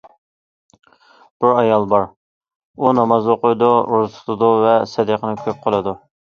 بىر ئايال بار، ئۇ ناماز ئوقۇيدۇ، روزا تۇتىدۇ ۋە سەدىقىنى كۆپ قىلىدۇ.